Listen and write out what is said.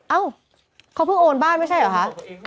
เอ้าเขาเพิ่งโอนบ้านไม่ใช่เหรอคะ